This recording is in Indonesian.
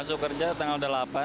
masuk kerja tanggal delapan